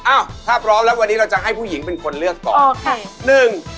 อ้าวถ้าพร้อมแล้ววันนี้เราจะให้ผู้หญิงเป็นคนเลือกก่อน